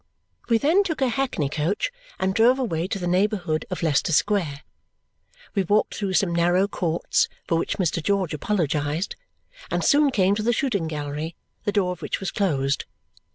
We then took a hackney coach and drove away to the neighbourhood of Leicester Square. We walked through some narrow courts, for which Mr. George apologized, and soon came to the shooting gallery, the door of which was closed.